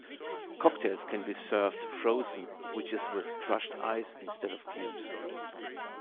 Cocktails can be served "frozen" which is with crushed ice instead of cubes.